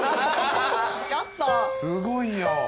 すごいよ。